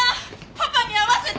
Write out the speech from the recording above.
パパに会わせて！